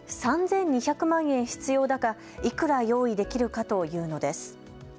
３２００万円必要だがいくら用意できるかと言うのです。